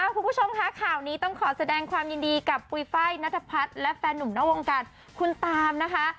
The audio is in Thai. คุณผู้ชมค่ะข่าวนี้ต้องขอแสดงความยินดีกับปุ๋ยไฟล์นัทพัฒน์และแฟนหนุ่มนอกวงการคุณตามนะคะ